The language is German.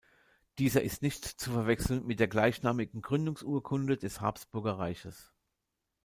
Diese ist nicht zu verwechseln mit der gleichnamigen Gründungsurkunde des Habsburgerreiches.